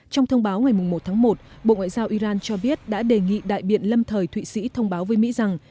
trong thông báo ngày một tháng một bộ ngoại giao iran cho biết đã đề nghị đại biện lâm thời thụy sĩ thông báo với mỹ rằng